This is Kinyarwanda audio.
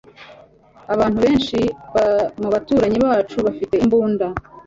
Abantu benshi mubaturanyi bacu bafite imbunda.